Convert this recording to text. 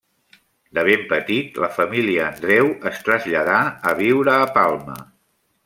De ben petit, la família Andreu es traslladà a viure a Palma.